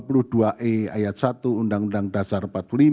pasal dua puluh dua e ayat satu undang undang dasar empat puluh lima